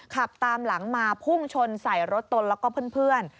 ขับตามหลังมาพุ่งชนใส่รถตนแล้วก็เพื่อน